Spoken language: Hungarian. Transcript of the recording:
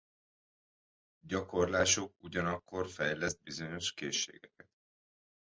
Gyakorlásuk ugyanakkor fejleszt bizonyos készségeket.